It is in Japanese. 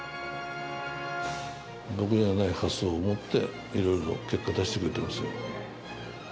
僕にはない発想を持って、いろいろ結果出してくれてますよ。